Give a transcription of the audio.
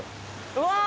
うわ。